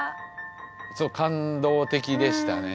感動的でしたね。